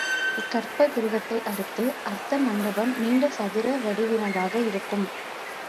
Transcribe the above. இக்கர்ப்பக் கிருகத்தை அடுத்த அர்த்த மண்டபம் நீண்ட சதுர வடிவினதாக இருக்கும்.